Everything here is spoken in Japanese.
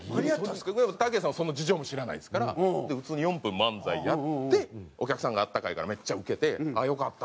たけしさんはその事情も知らないですから普通に４分漫才やってお客さんが温かいからめっちゃウケてああよかった。